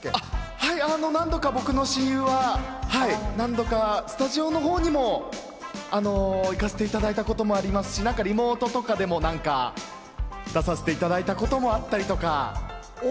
はい、私の親友は何度かスタジオのほうにも行かせてもらったこともありますし、リモートのほうで何度か出させていただいたこともあったりとか。